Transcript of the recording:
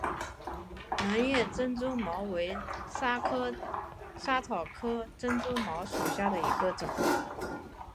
轮叶珍珠茅为莎草科珍珠茅属下的一个种。